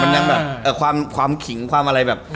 มันยังแบบความขิงความอะไรแบบ